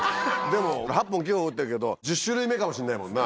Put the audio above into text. でも８本、９本打ったけど、１０種類目かもしれないもんな。